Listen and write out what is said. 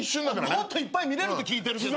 もっといっぱい見れると聞いてるけど。